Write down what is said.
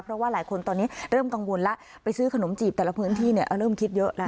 เพราะว่าหลายคนตอนนี้เริ่มกังวลแล้วไปซื้อขนมจีบแต่ละพื้นที่เนี่ยเริ่มคิดเยอะแล้ว